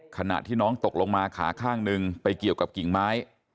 ขณะที่น้องตกลงมาขาข้างหนึ่งไปเกี่ยวกับกิ่งไม้